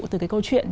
từ cái câu chuyện